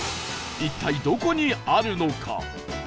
一体どこにあるのか？